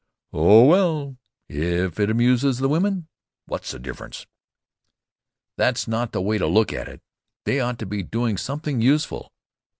"Oh, well, if it amuses the women, what's the difference?" "That's not the way to look at it. They ought to be doing something useful."